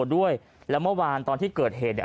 ด้วยแล้วเมื่อวานตอนที่เกิดเหตุเนี่ย